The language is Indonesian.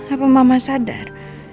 apa mama sadar